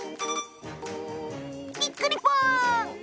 びっくりぽん！